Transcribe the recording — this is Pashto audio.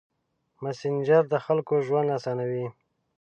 مسېنجر د خلکو ژوند اسانوي.